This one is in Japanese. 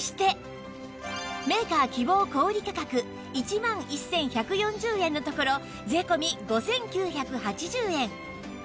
メーカー希望小売価格１万１１４０円のところ税込５９８０円